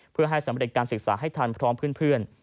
เพื่อให้สำเร็จการศึกษาให้ทันพร้อมเพื่อน